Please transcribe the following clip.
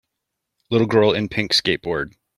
Little girl in pink skateboard.